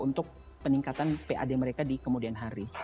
untuk peningkatan pad mereka di kemudian hari